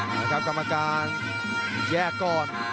แล้วก็กรรมการแยกก่อน